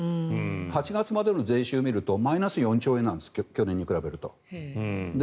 ８月までの税収を見るとマイナス４兆円なんです去年に比べると。